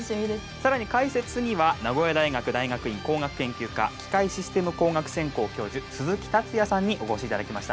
更に解説には名古屋大学大学院工学研究科機械システム工学専攻教授鈴木達也さんにお越しいただきました。